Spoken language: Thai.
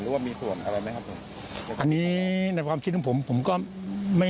ว่ามีส่วนอะไรไหมครับผมอันนี้ในความคิดของผมผมก็ไม่